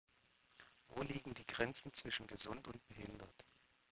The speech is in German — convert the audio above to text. Wo liegen die Grenzen zwischen gesund und behindert?